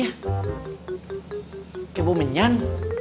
kayak buah minyan